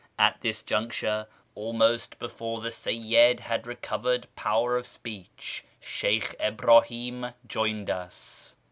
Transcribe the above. At this juncture, almost before the Seyyid had recovered power of speech, Sheykli Ibrahim joined us.